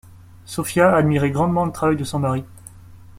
Sophia admirait grandement le travail de son mari.